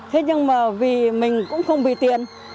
thế nhưng mà vì mình cũng không vì tiền